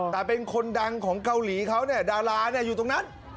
แต่เป็นคนดังของเกาหลีเขาเนี่ยดาราอยู่ตรงนั้น